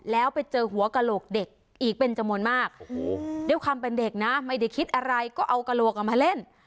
แล้วไปเจอหัวกระโหลกเด็กอีกเป็นจำนวนมากโอ้โหด้วยความเป็นเด็กนะไม่ได้คิดอะไรก็เอากระโหลกออกมาเล่น